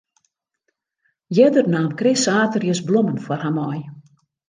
Earder naam Chris saterdeis blommen foar har mei.